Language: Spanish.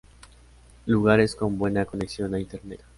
Lugares con buena conexión a Internet.